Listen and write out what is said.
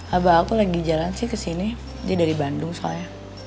abah aku lagi jalan sih kesini dia dari bandung soalnya